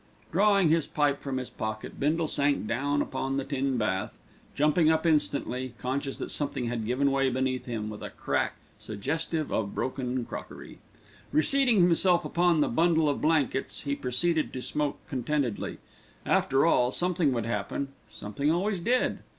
Drawing his pipe from his pocket, Bindle sank down upon the tin bath, jumping up instantly, conscious that something had given way beneath him with a crack suggestive of broken crockery. Reseating himself upon the bundle of blankets, he proceeded to smoke contentedly. After all, something would happen, something always did.